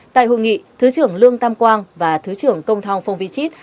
tại hội nghị thứ trưởng lương tam quang và thứ trưởng công thong phong vy chít